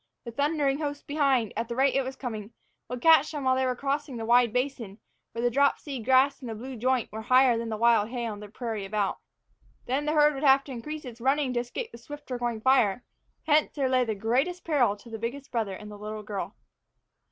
The thundering host behind, at the rate it was coming, would catch them while they were crossing the wide basin, where the dropseed grass and blue joint were higher than the wild hay on the prairie about. There the herd would have to increase its running to escape the swifter going fire; hence, there lay the greatest peril to the biggest brother and the little girl.